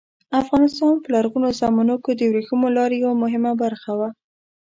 افغانستان په لرغونو زمانو کې د ورېښمو لارې یوه مهمه برخه وه.